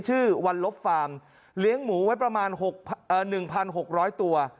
ชื่อวัลลบฟาร์มเหลียงหมูไว้ประมาณหกเอ่อหนึ่งพันหกร้อยตัว